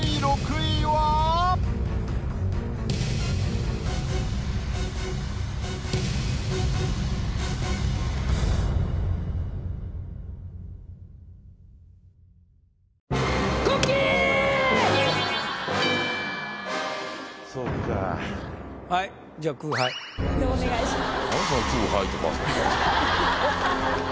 移動お願いします。